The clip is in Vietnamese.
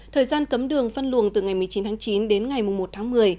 thời gian cấm đường phân luồng từ ngày một mươi chín tháng chín đến ngày một tháng một mươi